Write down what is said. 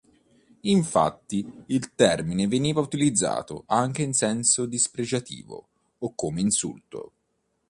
Infatti, il termine veniva utilizzato anche in senso dispregiativo o come insulto.